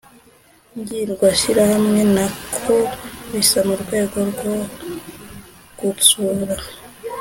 ngirwashyirahamwe. ntako bisa mu rwego rwo gutsura